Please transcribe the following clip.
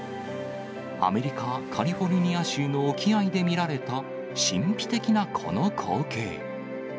アメリカ・カリフォルニア州の沖合で見られた神秘的なこの光景。